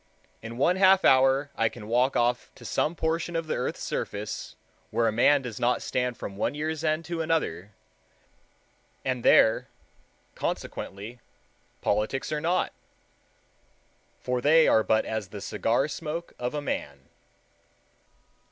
In one half hour I can walk off to some portion of the earth's surface where a man does not stand from one year's end to another, and there, consequently, politics are not, for they are but as the cigar smoke of a man.